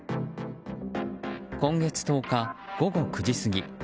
今月１０日、午後９時過ぎ